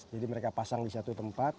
jadi mereka pasang di satu tempat